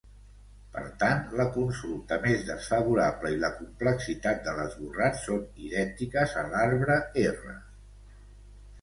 Per tant, la consulta més desfavorable i la complexitat de l'esborrat són idèntiques a l'arbre R.